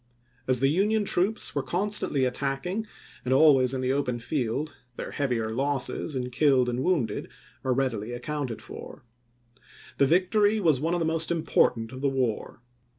As the Union troops were constantly attacking and always in the open field, their heavier losses in killed and wounded are readily accounted for. The victory was one of the most important of the war.